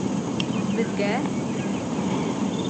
Беҙгә?!